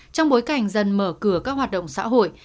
trong bối cảnh dần mở cửa các hoạt động xã hội